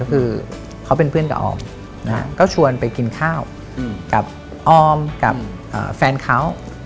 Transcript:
คือเขาเป็นเพื่อนกับออมก็ชวนไปกินข้าวกับออมกับแฟนเขา